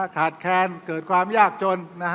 ขาดแคลนเกิดความยากจน